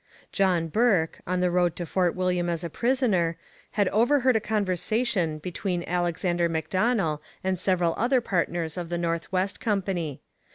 John Bourke, on the road to Fort William as a prisoner, had overheard a conversation between Alexander Macdonell and several other partners of the North West Company.